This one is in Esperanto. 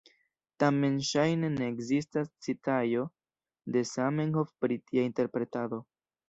Tamen ŝajne ne ekzistas citaĵo de Zamenhof pri tia interpretado.